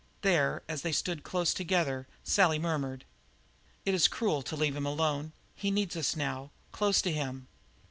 There, as they stood close together, Sally murmured: "It is cruel to leave him alone. He needs us now, close to him."